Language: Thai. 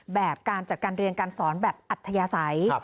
แบบการจัดการเรียนการสอนแบบอัธยาศัย